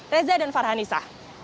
reza dan farhanisa